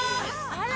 あら！